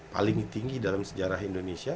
paling tinggi dalam sejarah indonesia